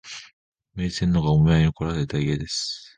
明治天皇がお見舞いにこられた家です